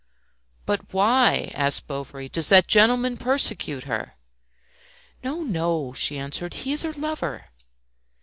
"But why," asked Bovary, "does that gentleman persecute her?" "No, no!" she answered; "he is her lover!"